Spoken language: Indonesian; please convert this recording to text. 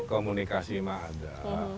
komunikasi mah ada